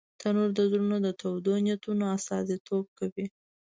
تنور د زړونو د تودو نیتونو استازیتوب کوي